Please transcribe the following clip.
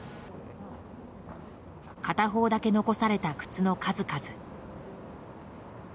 片方だけ残された靴の数々。